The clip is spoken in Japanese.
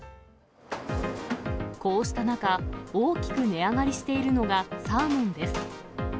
こうした中、大きく値上がりしているのが、サーモンです。